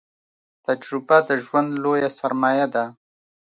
تجربه د ژوند لويه سرمايه ده